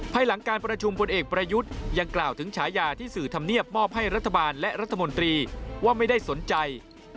ภายหลังการประชุมพลเอกประยุทธ์ยังกล่าวถึงฉายาที่สื่อธรรมเนียบมอบให้รัฐบาลและรัฐมนตรีว่าไม่ได้สนใจ